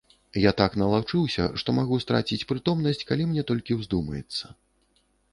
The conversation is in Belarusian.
Я так налаўчыўся, што магу страціць прытомнасць, калі мне толькі ўздумаецца.